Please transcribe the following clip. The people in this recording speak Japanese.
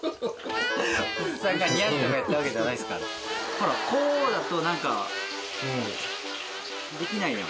ほらこうだと何かできない。